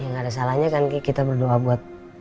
ya enggak ada salahnya kan ki kita berdoa buat